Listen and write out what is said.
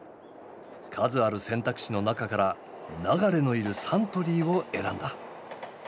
数ある選択肢の中から流のいるサントリーを選んだ。